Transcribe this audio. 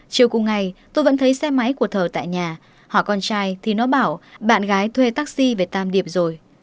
chiều cùng ngày tôi vẫn thấy xe máy của thở tại nhà hỏi con trai thì nó bảo bạn gái thuê taxi về tam điệp rồi